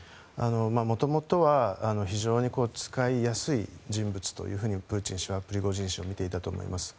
元々は非常に使いやすい人物というふうにプーチン氏はプリゴジン氏を見ていたと思います。